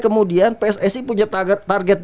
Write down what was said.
kemudian pssi punya target